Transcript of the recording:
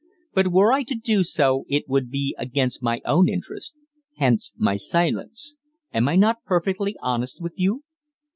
But were I to do so, it would be against my own interests. Hence my silence. Am I not perfectly honest with you?"